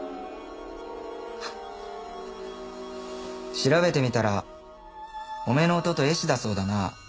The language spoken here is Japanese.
調べてみたらおめぇの弟絵師だそうだな